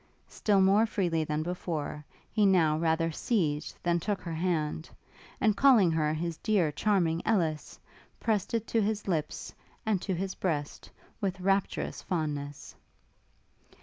Still more freely than before, he now rather seized than took her hand; and calling her his dear charming Ellis, pressed it to his lips, and to his breast, with rapturous fondness.